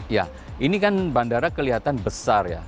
ya ini kan bandara kelihatan besar ya